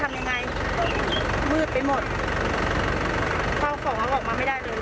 จะทำไมกับน้ำหมดเลยค่ะ